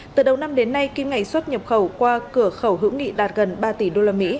từ đầu năm đến nay kim ngạch xuất nhập khẩu qua cửa khẩu hữu nghị đạt gần ba tỷ usd